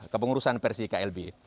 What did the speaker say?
kepengurusan versi klb